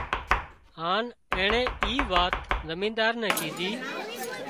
هانَ اينڻي اي وات زمينۮار نين ڪيڌي